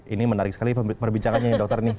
ini menarik sekali perbincangannya ya dokter nih